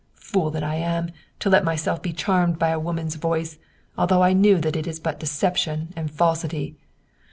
Fool that I am, to let myself be charmed by a woman's voice, although I knew that it is but deception and falsity.